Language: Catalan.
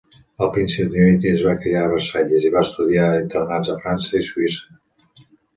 El príncep Dimitri es va criar a Versalles, i va estudiar a internats a França i Suïssa.